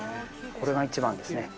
これが一番ですね。